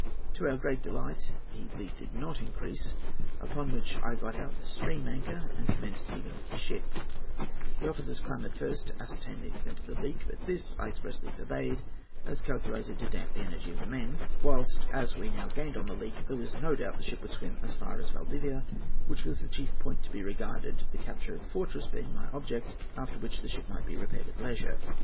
"To our great delight, the leak did not increase, upon which I got out the stream anchor and commenced heaving off the ship; the officers clamoured first to ascertain the extent of the leak; but this I expressly forbade, as calculated to damp the energy of the men, whilst, as we now gained on the leak, there was no doubt the ship would swim as far as Valdivia, which was the chief point to be regarded, the capture of the fortress being my object, after which the ship might be repaired at leisure.